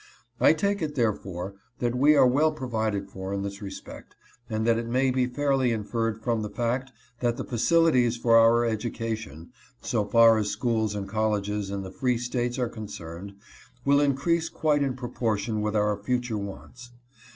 I take it, therefore, that we are well provided for in this respect; and that it may be fairly inferred from the fact, that the facilities for our education, so far as schools and colleges in the Free States are concerned, will increase quite in proportion with our future wants.